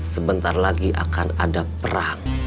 sebentar lagi akan ada perang